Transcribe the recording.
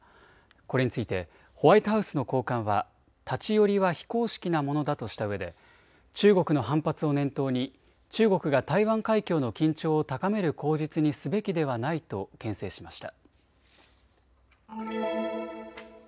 これについてホワイトハウスの高官は立ち寄りは非公式なものだとしたうえで中国の反発を念頭に中国が台湾海峡の緊張を高める口実にすべきではないとけん制しました。